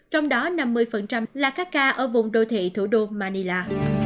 trong đó năm mươi là các ca ở vùng đô thị thủ đô manila